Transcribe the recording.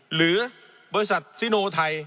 หรือบริษัทซิโนไทย